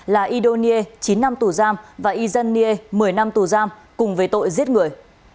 là ido nie và izan nie cùng về tội giết người